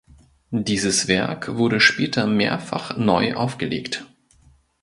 Dieses Werk wurde später mehrfach neu aufgelegt.